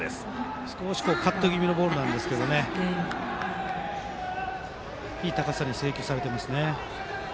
少しカット気味のボールなんですがいい高さに制球されていますね。